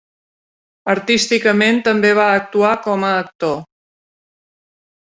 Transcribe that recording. Artísticament també va actuar com a actor.